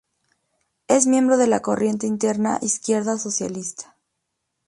Es miembro de la corriente interna Izquierda Socialista.